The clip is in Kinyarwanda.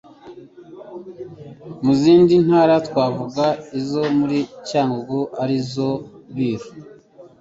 mu zindi ntara twavuga izo muri Cyangugu arizo Biru